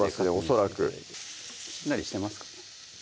恐らくしんなりしてますかね？